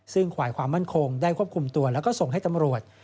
ซึ่งฝ่ายความมั่นคงได้ควบคุมตัวแล้วก็ส่งให้ตำรวจ